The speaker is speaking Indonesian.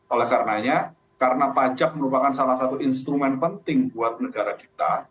oleh karenanya karena pajak merupakan salah satu instrumen penting buat negara kita